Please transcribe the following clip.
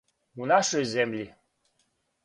У нашој земљи?